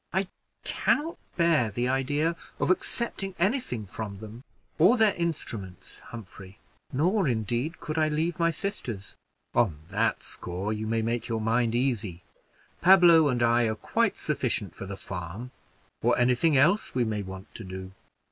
"I can not bear the idea of accepting any thing from them or their instruments, Humphrey; nor, indeed, could I leave my sisters." "On that score you may make your mind easy: Pablo and I are quite sufficient for the farm, or any thing else we may want to do.